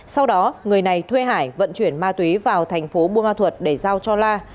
sau đó người này thuê hải vận chuyển ma túy vào thành phố buôn ma thuật để giao cho la